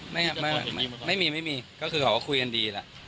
ไม่มีไม่มีก็คือเขาก็คุยกันดีแหละ